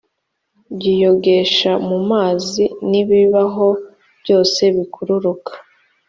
byiyogesha mu mazi n ibibaho byose bikururuka